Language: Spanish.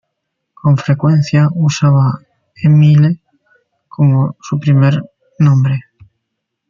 Con frecuencia usaba Émile como su primer nombre.